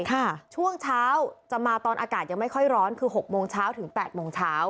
ช่วงเช้าจะมาตอนอากาศยังไม่ค่อยร้อนคือหกโมงเช้าถึงแปดโมงเช้า